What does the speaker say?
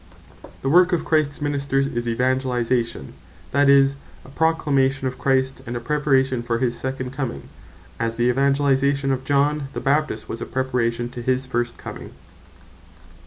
The work of Christs Ministers, is Evangelization; that is, a Proclamation of Christ, and a preparation for his second comming; as the Evangelization of John Baptist, was a preparation to his first coming.